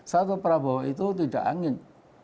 satu prabowo itu tidak angin